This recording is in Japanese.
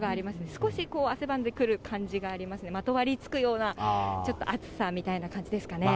少しこう、汗ばんでくる感じがありますね、まとわりつくような、ちょっと暑さみたいな感じですかね。